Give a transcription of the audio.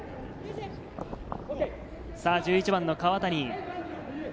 １１番の川谷。